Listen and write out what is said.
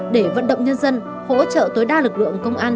để vận động nhân dân hỗ trợ tối đa lực lượng công an